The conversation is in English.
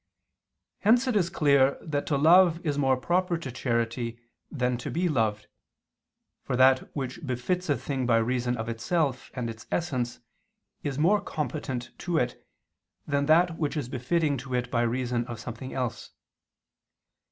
Hence it is clear that to love is more proper to charity than to be loved: for that which befits a thing by reason of itself and its essence is more competent to it than that which is befitting to it by reason of something else.